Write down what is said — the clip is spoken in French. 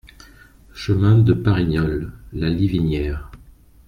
Chemin de Parignoles, La Livinière